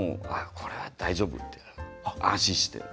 これは大丈夫、安心してと。